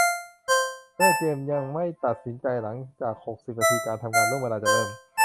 เมื่อเกมยังไม่ตัดสินใจหลังจากหกสิบนาทีการทำงานล่วงเวลาจะเริ่ม